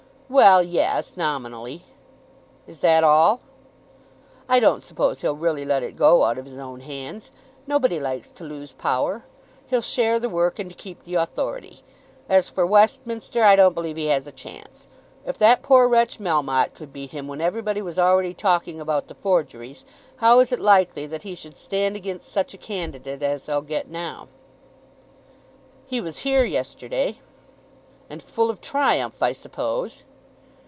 "Well, yes; nominally." "Is that all?" "I don't suppose he'll really let it go out of his own hands. Nobody likes to lose power. He'll share the work, and keep the authority. As for Westminster, I don't believe he has a chance. If that poor wretch Melmotte could beat him when everybody was already talking about the forgeries, how is it likely that he should stand against such a candidate as they'll get now?" "He was here yesterday." "And full of triumph, I suppose?"